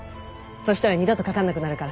そしたら二度とかかんなくなるから。